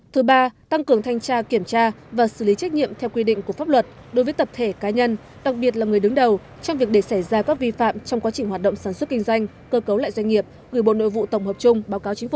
thứ ba tăng cường thanh tra kiểm tra và xử lý trách nhiệm theo quy định của pháp luật đối với tập thể cá nhân đặc biệt là người đứng đầu trong việc để xảy ra các vi phạm trong quá trình hoạt động sản xuất kinh doanh cơ cấu lại doanh nghiệp gửi bộ nội vụ tổng hợp chung báo cáo chính phủ